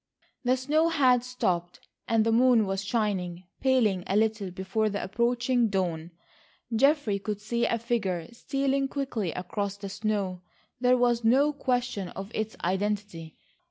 The snow had stopped, and the moon was shining, paling a little before the approaching dawn. Geoffrey could see a figure stealing quickly across the snow. There was no question of its identity.